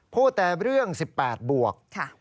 พูดแต่เรื่อง๑๘บวก